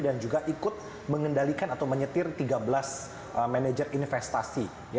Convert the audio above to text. dan juga ikut mengendalikan atau menyetir tiga belas manajer investasi